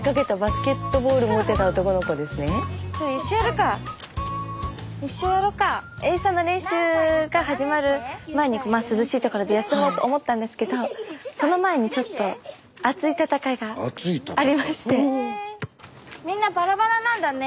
スタジオエイサーの練習が始まる前に涼しい所で休もうと思ったんですけどその前にちょっと熱い戦いがありまして。